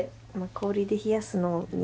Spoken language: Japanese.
氷で冷やすのに。